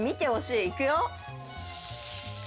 いくよ。